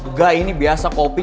nggak ini biasa kopi